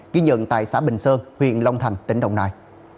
ghi nhận tại xã bình sơn huyện long thành tỉnh đồng nai